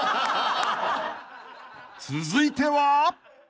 ［続いては］